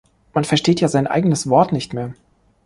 Man versteht ja sein eigenes Wort nicht mehr!